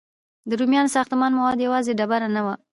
د رومیانو ساختماني مواد یوازې ډبره نه وه.